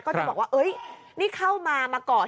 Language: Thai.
ก็จะบอกว่านี่เข้ามามาก่อน